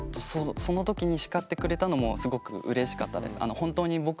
その時に叱ってくれたのもすごくうれしかったです。